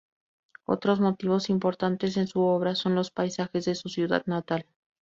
Otros motivos importantes en su obra son los paisajes de su ciudad natal.